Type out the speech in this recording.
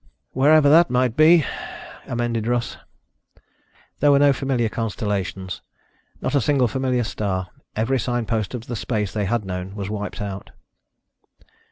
"Wherever that might be," amended Russ. There were no familiar constellations, not a single familiar star. Every sign post of the space they had known was wiped out.